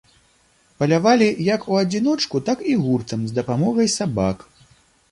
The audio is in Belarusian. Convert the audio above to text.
Палявалі як у адзіночку, так і гуртам, з дапамогай сабак.